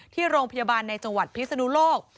ที่โรงพยาบาลในจังหวัดพิศนุโลก